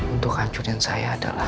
untuk hancurin saya adalah